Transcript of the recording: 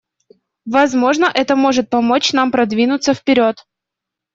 Возможно, это может помочь нам продвинуться вперед.